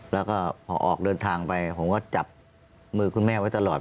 แล้วก็พอออกเดินทางไปผมก็จับมือคุณแม่ไว้ตลอด